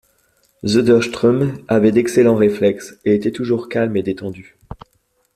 Söderström avait d'excellents réflexes et était toujours calme et détendu.